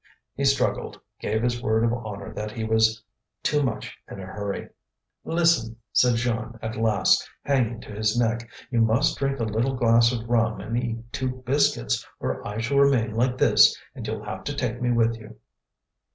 He struggled, gave his word of honour that he was too much in a hurry. "Listen!" said Jeanne, at last, hanging to his neck, "you must drink a little glass of rum and eat two biscuits, or I shall remain like this, and you'll have to take me with you."